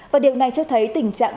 và điều này cho thấy tình trạng